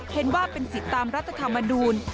เห็นว่าเป็นสิทธิ์ตามรัฐธรรมนูล